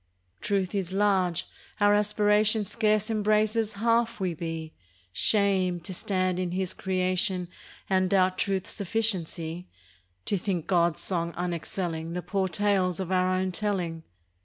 Truth is large. Our aspiration Scarce embraces half we be. Shame ! to stand in His creation And doubt Truth's sufficiency! To think God's song unexcelling The poor tales of our own telling.